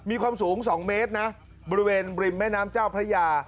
มีความสูง๒เมตรนะบริเวณริมแม่น้ำเจ้าพระยา